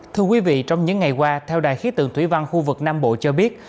thưa quý vị trong những ngày qua theo đài khí tượng thủy văn khu vực nam bộ cho biết